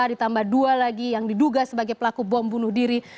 ditambah dua lagi yang diduga sebagai pelaku bom bunuh diri